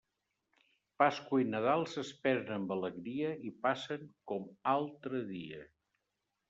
Pasqua i Nadal s'esperen amb alegria i passen com altre dia.